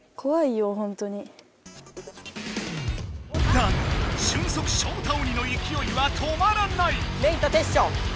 だが俊足ショウタ鬼のいきおいは止まらない！